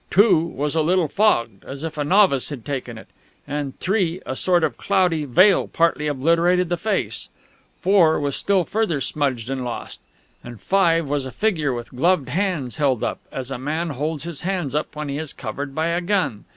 "2" was a little fogged, as if a novice had taken it; on "3" a sort of cloudy veil partly obliterated the face; "4" was still further smudged and lost; and "5" was a figure with gloved hands held up, as a man holds his hands up when he is covered by a gun.